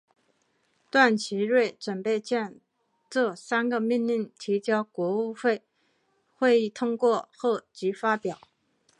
段祺瑞准备将这三个命令提交国务会议通过后即发表。